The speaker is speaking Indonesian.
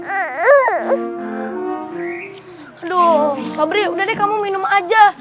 aduh fabri udah deh kamu minum aja